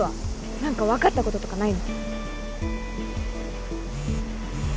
何か分かったこととかないの？